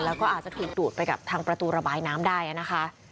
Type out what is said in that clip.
แล้วก็อาจจะถูกดูดไปกับทางประตูระบายน้ำได้นะคะ